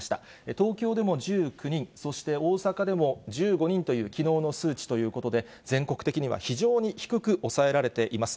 東京でも１９人、そして大阪でも１５人という、きのうの数値ということで、全国的には非常に低く抑えられています。